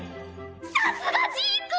さすがジーク！